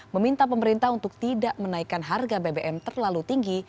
meminta pemerintah untuk tidak menaikkan harga bbm terlalu tinggi